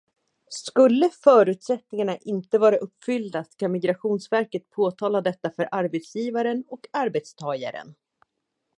Skulle förutsättningarna inte vara uppfyllda ska Migrationsverket påtala detta för arbetsgivaren och arbetstagaren.